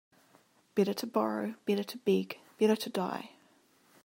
Better to borrow, better to beg, better to die!